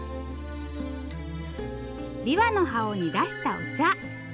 びわの葉を煮出したお茶。